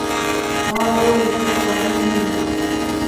تواب وويل: دلته چاودنې نه وینې.